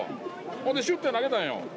ほんでしゅって投げたんよ。